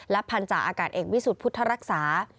พันธาอากาศเอกวิสุทธิ์พุทธรักษา